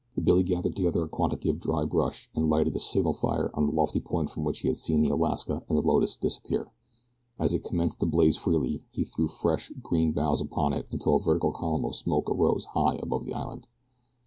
Billy gathered together a quantity of dry brush and lighted a signal fire on the lofty point from which he had seen the Alaska and the Lotus disappear. As it commenced to blaze freely he threw fresh, green boughs upon it until a vertical column of smoke arose high above the island.